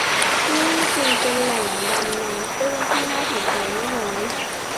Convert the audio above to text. ที่นี่จึงเป็นแหล่งดำน้ำตื้นที่น่าสนใจไม่น้อย